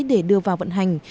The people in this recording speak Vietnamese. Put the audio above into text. để đưa vào vận hành